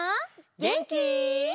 げんき？